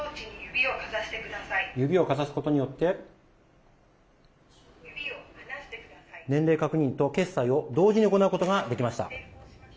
指をかざすことによって年齢確認と決済を同時に行うことができました。